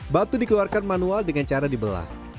batu dikeluarkan manual dengan cara dibelah